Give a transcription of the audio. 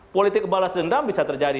politik balas dendam bisa terjadi